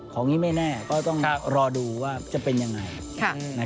ของนี้ไม่แน่ก็ต้องรอดูว่าจะเป็นยังไง